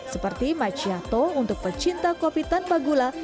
seperti machiato untuk pecinta kopi tanpa gula